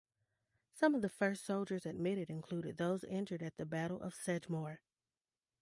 Some of the first soldiers admitted included those injured at the Battle of Sedgemoor.